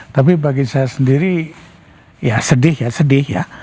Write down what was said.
tapi bagi saya sendiri ya sedih ya sedih ya